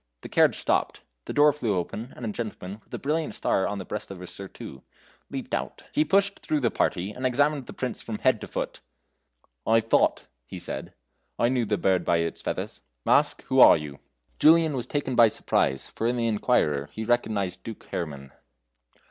The carriage stopped. The door flew open, and a gentleman, with a brilliant star on the breast of his surtout, leaped out. He pushed through the party, and examined the Prince from head to foot. "I thought," he said, "I knew the bird by his feathers. Mask, who are you?" Julian was taken by surprise, for in the inquirer he recognized Duke Herrman.